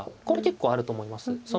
これ結構あると思います。